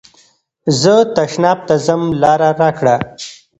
زه تشناب ته ځم لاره راکړه.